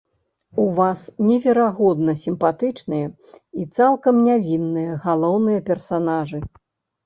У вас неверагодна сімпатычныя і цалкам нявінныя галоўныя персанажы?